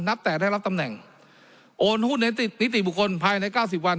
นับแต่ได้รับตำแหน่งโอนหุ้นนิติบุคคลภายในเก้าสิบวัน